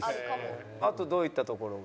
あとどういったところが。